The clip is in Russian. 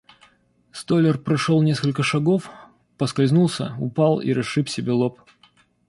Столяр прошел несколько шагов, поскользнулся, упал и расшиб себе лоб.